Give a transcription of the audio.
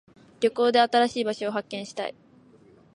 旅行で新しい場所を発見したい。